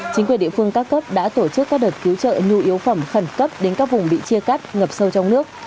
chính quyền địa phương các cấp đã tổ chức các đợt cứu trợ nhu yếu phẩm khẩn cấp đến các vùng bị chia cắt ngập sâu trong nước